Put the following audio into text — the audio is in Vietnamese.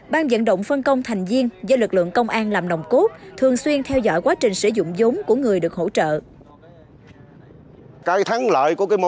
ban dẫn động phân công thành viên do lực lượng công an làm nồng cốt thường xuyên theo dõi quá trình sử dụng giống của người được hỗ trợ